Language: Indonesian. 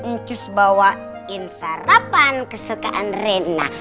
ecus bawain sarapan kesukaan rena